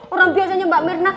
orang biasanya mbak mirna